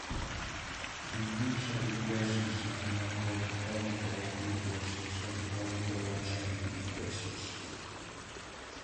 The differential equations are now called the Kolmogorov equations or the Kolmogorov-Chapman equations.